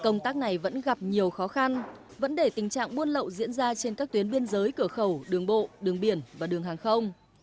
nhiều khó khăn vấn đề tình trạng buôn lậu diễn ra trên các tuyến biên giới cửa khẩu đường bộ đường biển và đường hàng không